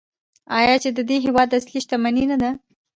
آیا چې د دې هیواد اصلي شتمني نه ده؟